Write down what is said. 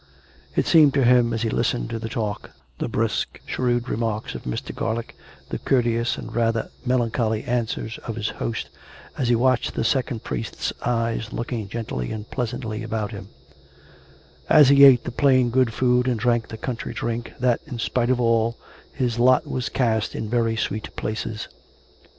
It seemed to him as he listened to the talk — the brisk, shrewd remarks of Mr. Garlick; the courteous and rather melancholy answers of his host; as he watched the second priest's eyes looking gently and pleasantly about him ; as he ate the plain, good food and drank the country drink, that, in spite of all, his lot was cast in very sweet places.